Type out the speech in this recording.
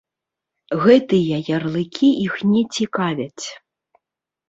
Гэтыя ярлыкі іх не цікавяць.